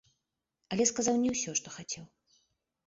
Але сказаў не ўсё, што хацеў.